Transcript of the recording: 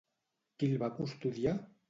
Qui el va custodiar?